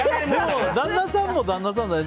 旦那さんも旦那さんだよね。